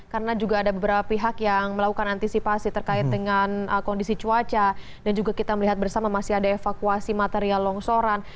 karena juga ada beberapa pihak yang melakukan antisipasi terkait dengan kondisi cuaca dan juga kita melihat bersama masih ada evakuasi material longsoran